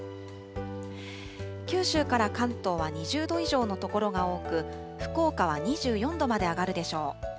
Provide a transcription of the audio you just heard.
九州から関東は２０度以上の所が多く、福岡は２４度まで上がるでしょう。